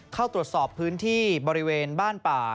เข้าตรวจสอบพื้นที่บริเวณบ้านป่า